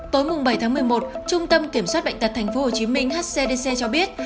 tối bảy tháng một mươi một trung tâm kiểm soát bệnh tật tp hcm hcdc cho biết